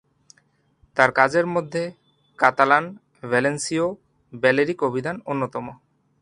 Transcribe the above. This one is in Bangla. তার কাজের মধ্যে কাতালান-ভ্যালেন্সীয়-ব্যালেরিক অভিধান অন্যতম।